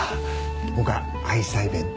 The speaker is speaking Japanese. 僕は愛妻弁当。